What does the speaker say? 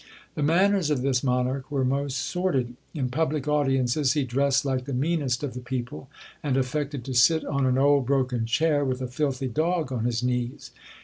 The manners of this monarch were most sordid; in public audiences he dressed like the meanest of the people, and affected to sit on an old broken chair, with a filthy dog on his knees.